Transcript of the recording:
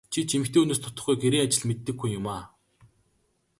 Чи ч эмэгтэй хүнээс дутахгүй гэрийн ажил мэддэг хүн юмаа.